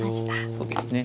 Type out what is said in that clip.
そうですね。